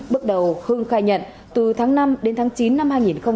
bước đầu hưng khai nhận từ tháng năm đến tháng chín năm hai nghìn một mươi chín